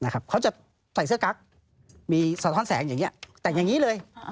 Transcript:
เขาจะใส่เสื้อกั๊กมีสะท้อนแสงอย่างนี้แต่งอย่างนี้เลย